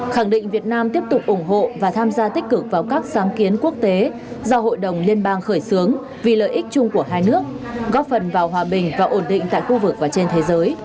khẳng định việt nam tiếp tục ủng hộ và tham gia tích cực vào các sáng kiến quốc tế do hội đồng liên bang khởi xướng vì lợi ích chung của hai nước góp phần vào hòa bình và ổn định tại khu vực và trên thế giới